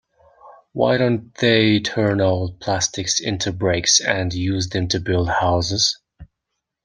Why don't they turn old plastics into bricks and use them to build houses?